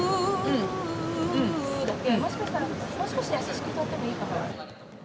「Ｕｈ」だけもしかしたらもう少し優しく歌ってもいいかも。